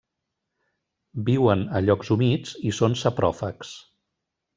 Viuen a llocs humits i són sapròfags.